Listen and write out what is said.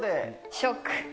ショック。